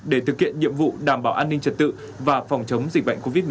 để thực hiện nhiệm vụ đảm bảo an ninh trật tự và phòng chống dịch bệnh covid một mươi chín